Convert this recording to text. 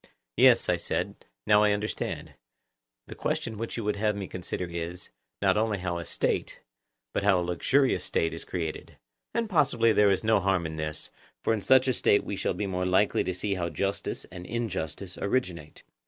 Yes, I said, now I understand: the question which you would have me consider is, not only how a State, but how a luxurious State is created; and possibly there is no harm in this, for in such a State we shall be more likely to see how justice and injustice originate.